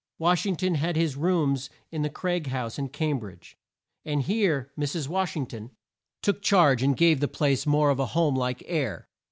Wash ing ton had his rooms in the Crai gie House, in Cam bridge, and here Mrs. Wash ing ton took charge and gave the place more of a home like air.